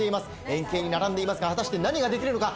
円形に並んでいますが果たして何ができるのか？